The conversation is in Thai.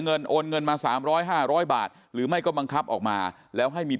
เงินโอนเงินมา๓๐๐๕๐๐บาทหรือไม่ก็บังคับออกมาแล้วให้มี